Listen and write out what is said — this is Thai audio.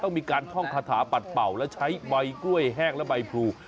มีการท่องคาถาปัดเป่าและใช้ใบกล้วยแห้งและใบพลู